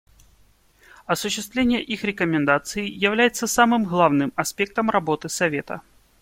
Осуществление их рекомендаций является самым главным аспектом работы Совета.